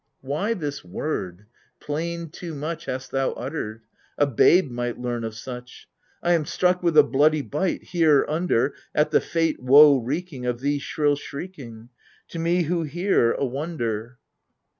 Why this word, plain too much, Hast thou uttered? A babe might leam of such ! I am struck with a bloody bite — here under — At the fate woe wreaking Of thee shrill shrieking : To me who hear — a wonder